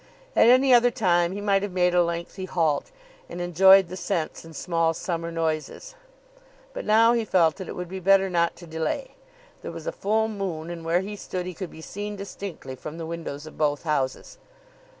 At any other time he might have made a lengthy halt, and enjoyed the scents and small summer noises, but now he felt that it would be better not to delay. There was a full moon, and where he stood he could be seen distinctly from the windows of both houses.